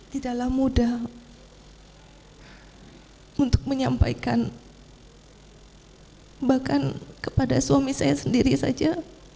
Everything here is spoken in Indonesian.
tidaklah mudah untuk menyampaikan bahkan kepada suami saya sendiri saja